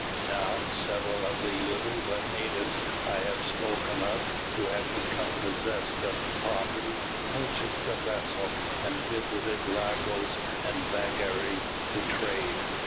Now, several of the Yoruba natives I have spoken of, who had become possessed of property, purchased a vessel, and visited Lagos and Badagry to trade.